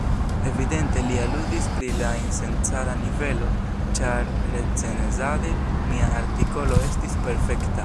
Evidente li aludis pri la incensada nivelo, ĉar recenzade mia artikolo estis perfekta.